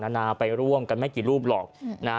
นานาไปร่วมกันไม่กี่รูปหรอกนะ